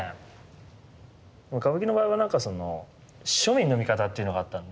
歌舞伎の場合はなんかその庶民の味方っていうのがあったんで。